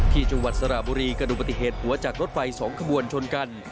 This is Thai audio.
จังหวัดสระบุรีกระดูกปฏิเหตุหัวจากรถไฟ๒ขบวนชนกัน